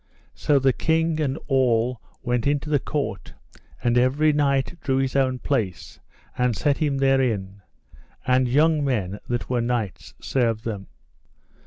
So the king and all went unto the court, and every knight knew his own place, and set him therein, and young men that were knights served them.